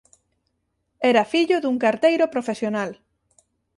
Era fillo dun carteiro profesional.